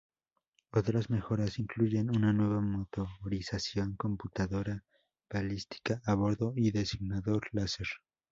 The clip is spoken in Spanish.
Otras mejoras incluyen una nueva motorización, computadora balística a bordo, y designador láser.